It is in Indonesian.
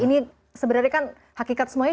ini sebenarnya kan hakikat semuanya